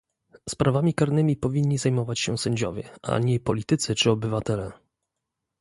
Sprawami karnymi powinni zajmować się sędziowie, a nie politycy czy obywatele